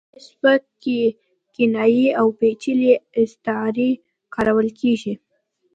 په دې سبک کې کنایې او پیچلې استعارې کارول کیږي